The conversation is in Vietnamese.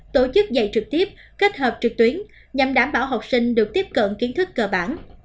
tổ chức dạy trực tiếp kết hợp trực tuyến nhằm đảm bảo học sinh được tiếp cận kiến thức cơ bản